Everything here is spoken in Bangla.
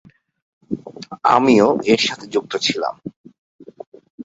আমিও এর সাথে যুক্ত ছিলাম।